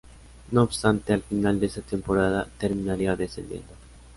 No obstante, al final de esa temporada terminaría descendiendo.